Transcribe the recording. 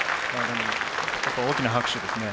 大きな拍手ですね。